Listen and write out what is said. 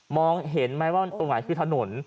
เห็นไหมว่าตรงไหนคือถนน